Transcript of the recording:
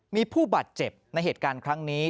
มีผู้บาดเจ็บในเหตุการณ์ครั้งนี้